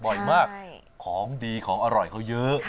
บ่อยมากของดีของอร่อยเขาเยอะ